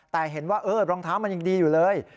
แต่เห็นว่ารองเท้ามันยังดีอยู่เลย